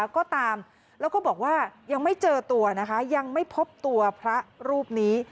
ก็ตามแล้วก็บอกว่ายังไม่เจอตัวนะคะยังไม่พบตัวพระรูปนี้